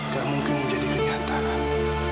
gak mungkin menjadi kenyataan